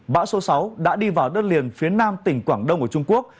bão số sáu đã đi vào đất liền phía nam tỉnh quảng đông của trung quốc